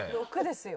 ６ですよ。